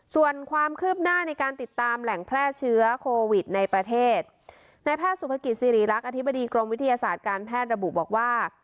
ส่วนความคืบหน้าในการติดตามแหล่งแพร่เชื้อโควิดในประเทศในแพทย์สุภกิจสิริรักษ์อธิบดีกรมวิทยาศาสตร์การแพทย์ระบุบอกว่า